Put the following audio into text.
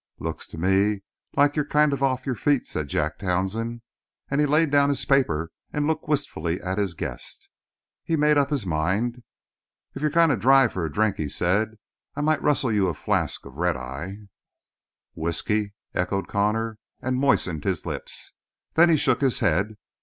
"Looks to me like you're kind of off your feet," said Jack Townsend, and he laid down his paper and looked wistfully at his guest. He made up his mind. "If you're kind of dry for a drink," he said, "I might rustle you a flask of red eye " "Whisky?" echoed Connor, and moistened his lips. Then he shook his head.